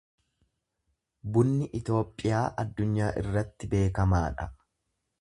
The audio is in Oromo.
Bunni Itoophiyaa addunyaa irratti beekamaadha.